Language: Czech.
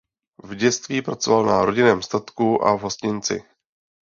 V dětství pracoval na rodinném statku a v hostinci.